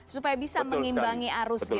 supaya bisa mengimbangi arus gitu